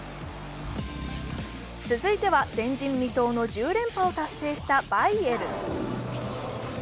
続いては、前人未到の１０連覇を達成したバイエルン。